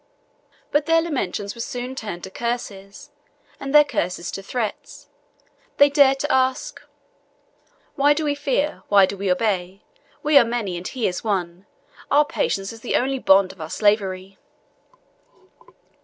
But their lamentations were soon turned to curses, and their curses to threats: they dared to ask, "Why do we fear? why do we obey? We are many, and he is one: our patience is the only bond of our slavery."